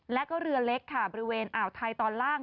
และเรือเล็กบริเวณอ่าวไทยตอนล่าง